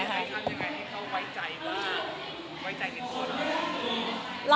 คุณทำยังไงให้เขาไว้ใจว่าไว้ใจเป็นคนหรือเปล่า